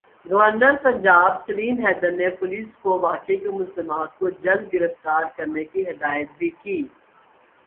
governor Punjab Salim Haider نے police کو واقعے کے ملزمان کو جلد گرفتار کرنے کی ہدایت بھی کی